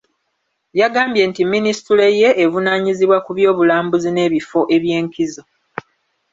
Yagambye nti minisitule ye evunaanyizibwa ku by’obulambuzi n’ebifo eby’enkizo.